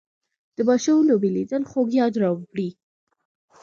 د ماشوم لوبې لیدل خوږ یاد راوړي